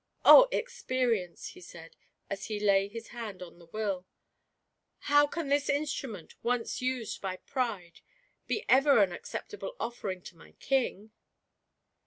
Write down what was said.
"Oh, Experience," he said, as he laid his hand on the Will, "how can this instrument, once used by Pride, be ever an acceptable offering to my King?"